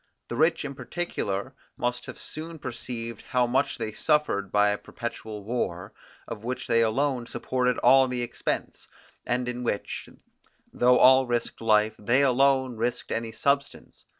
The rich in particular must have soon perceived how much they suffered by a perpetual war, of which they alone supported all the expense, and in which, though all risked life, they alone risked any substance.